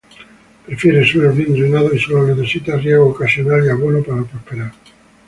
Prefiere suelos bien drenados y solo necesita riego ocasional y abono para prosperar.